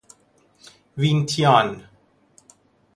وین تیان